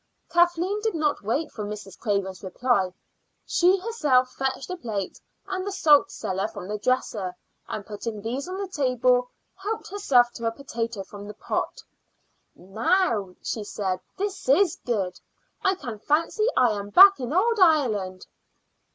Kathleen did not wait for Mrs. Craven's reply. She herself fetched a plate and the salt cellar from the dresser, and putting these on the table, helped herself to a potato from the pot. "Now," she said, "this is good. I can fancy I am back in old Ireland."